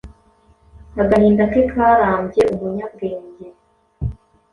Agahinda ke karambye umunyabwenge